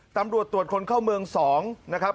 ตำรวจตรวจคนเข้าเมือง๒นะครับ